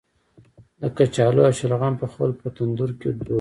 د کچالو او شلغم پخول په تندور کې دود دی.